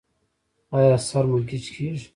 ایا سر مو ګیچ کیږي؟